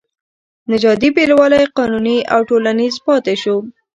نژادي بېلوالی قانوني او ټولنیز پاتې شو.